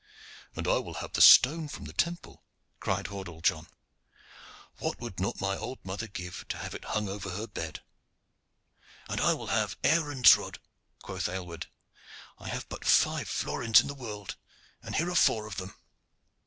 "And I will have the stone from the temple," cried Hordle John. "What would not my old mother give to have it hung over her bed?" "And I will have Aaron's rod," quoth Aylward. "I have but five florins in the world, and here are four of them."